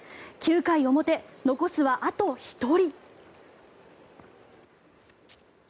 ９回表、残すはあと１人。